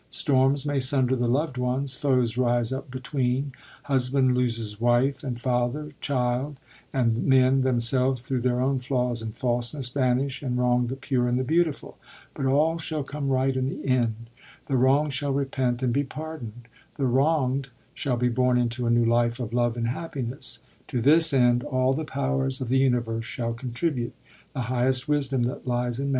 Storms may sunder the lovd ones, foes rise up between ; husband loses wife, and father child, and men, themselves, thru ^leir own flaws and falseness banish and wrong the pure and the beautiful; but all shall come right in the end : the wrong shall repent and be pardond ; the wrongd shall be bom into a new life of love and happiness. To this end all the powers of the universe shall contribute, the highest wisdom that lies in